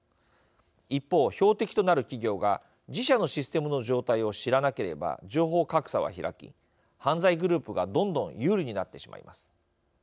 一方、標的となる企業が自社のシステムの状態を知らなければ情報格差は開き犯罪グループがどんどん有利になってしまいます。